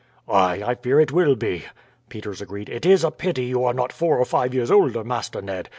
"Ay, I fear it will be," Peters agreed. "It is a pity you are not four or five years older, Master Ned.